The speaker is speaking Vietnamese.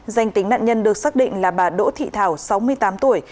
danh tính nạn nhân được xác định là bà đỗ thị thảo sáu mươi tám tuổi